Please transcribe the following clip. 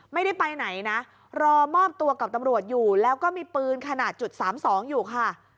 ไม่ได้ไปไหนนะรอมอบตัวกับตำรวจอยู่แล้วก็มีปืนขนาดจุด๓๒อยู่ค่ะ